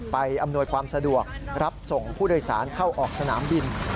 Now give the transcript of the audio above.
อำนวยความสะดวกรับส่งผู้โดยสารเข้าออกสนามบิน